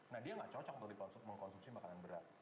nah dia nggak cocok untuk mengkonsumsi makanan berat